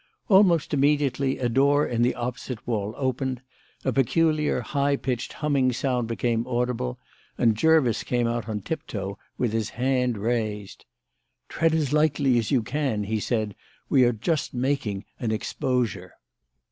Almost immediately, a door in the opposite wall opened; a peculiar, high pitched humming sound became audible, and Jervis came out on tiptoe with his hand raised. "Tread as lightly as you can," he said. "We are just making an exposure."